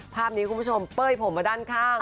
ภาพนี้คุณผู้ชมเป้ยผมมาด้านข้าง